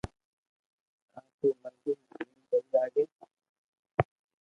آپ ري مرزو جيم سھي لاگي